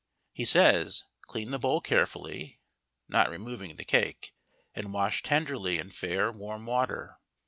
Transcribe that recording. He says, clean the bowl carefully (not removing the cake) and wash tenderly in fair, warm water.